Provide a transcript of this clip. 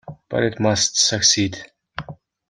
But it must succeed!